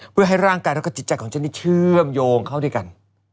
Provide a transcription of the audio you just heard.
เพื่อให้ร่างกายแล้วก็จิตใจของฉันนี่เชื่อมโยงเข้าด้วยกัน